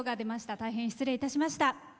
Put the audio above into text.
大変失礼いたしました。